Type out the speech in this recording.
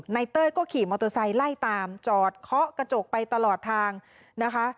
เต้ยก็ขี่มอเตอร์ไซค์ไล่ตามจอดเคาะกระจกไปตลอดทางนะคะ